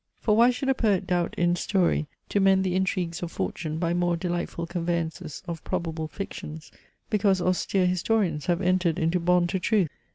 For why should a poet doubt in story to mend the intrigues of fortune by more delightful conveyances of probable fictions, because austere historians have entered into bond to truth?